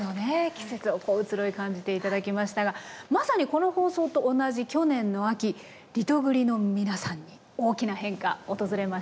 季節の移ろい感じて頂きましたがまさにこの放送と同じ去年の秋リトグリの皆さんに大きな変化訪れました。